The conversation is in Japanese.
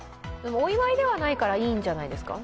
お祝いではないからいいんじゃないですか？